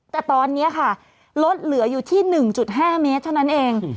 แต่ตอนเนี้ยค่ะลดเหลืออยู่ที่หนึ่งจุดห้าเมตรเท่านั้นเอง